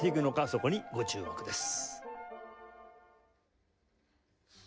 そこにご注目です。